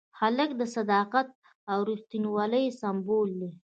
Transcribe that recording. هلک د صداقت او ریښتینولۍ سمبول دی.